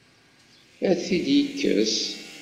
Ad t-id-yekkes?